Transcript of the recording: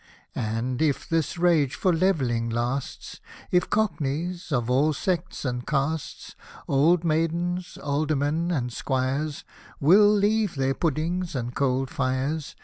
And, if this rage for travelling lasts, If Cockneys, of all sects and castes. Old maidens, aldermen, and squires, Will leave their puddings and coal fires.